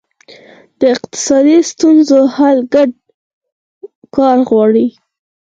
د اقتصادي ستونزو حل ګډ کار غواړي.